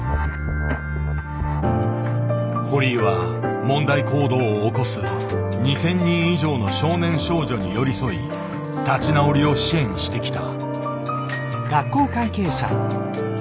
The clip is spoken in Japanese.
堀井は問題行動を起こす２，０００人以上の少年少女に寄り添い立ち直りを支援してきた。